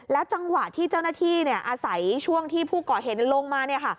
จังหวะที่เจ้าหน้าที่อาศัยช่วงที่ผู้ก่อเหตุลงมา